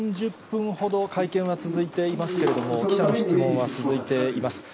４０分ほど会見は続いていますけれども、記者の質問は続いています。